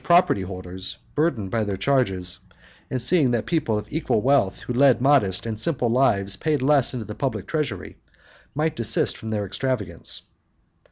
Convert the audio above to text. property holders, burdened by their charges, and seeing that people of equal wealth who led modest and simple lives paid less into the public treasury, might desist from their extravagance.